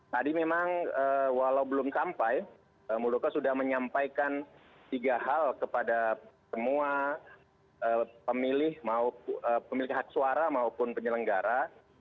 tadi memang walau belum sampai muldoko sudah menyampaikan tiga hal kepada semua pemilik hak suara maupun penyelenggara